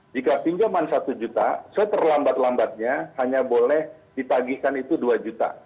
jika pinjaman satu juta seterlambat lambatnya hanya boleh ditagihkan itu dua juta